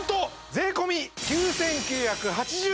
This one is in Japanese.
税込９９８０円